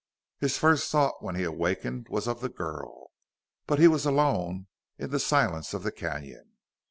His first thought, when he awakened, was of the girl. But he was alone in the silence of the canyon.